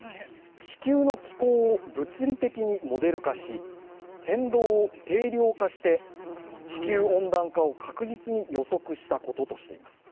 地球の気候を物理的にモデル化し変動を定量化して地球温暖化を確実に予測したこととしています。